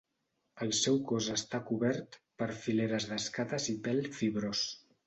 El seu cos està cobert per fileres d'escates i pèl fibrós.